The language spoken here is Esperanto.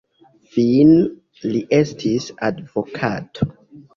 Fine li estis advokato.